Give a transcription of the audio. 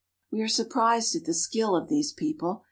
We are surprised at the skill of these people.